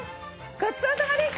ごちそうさまでした！